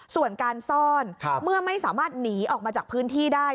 ส่วนการซ่อนเมื่อไม่สามารถหนีออกมาจากพื้นที่ได้